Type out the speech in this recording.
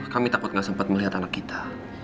kami takut gak sempat melihat anak kita